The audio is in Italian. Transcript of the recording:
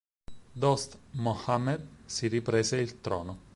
Dost Mohammed si riprese il trono.